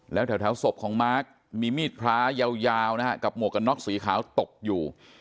แล้วแถวศพของมาร์คมีมีดพระยาวนะฮะกับหมวกกันน็อกสีขาวตกอยู่